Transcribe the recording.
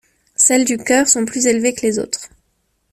Celles du chœur sont plus élevées que les autres.